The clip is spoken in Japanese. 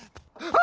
あ！